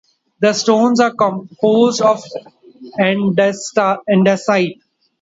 The stones are composed of andesite.